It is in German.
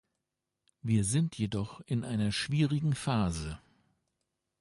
Wir sind jedoch in einer schwierigen Phase.